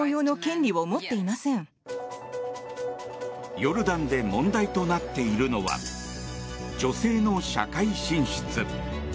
ヨルダンで問題となっているのは女性の社会進出。